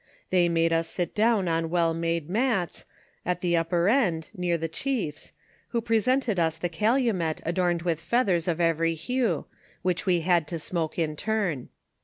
They made us sit down on well made mats, at the upper end, near the chiefs, who presented us the calumet adorned with feathere of every hue, which we had to smoke in turn.